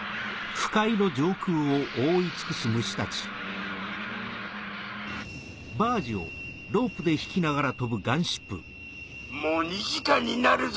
わかるぞもう２時間になるぞ。